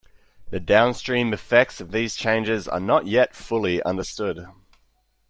The downstream effects of these changes are not yet fully understood.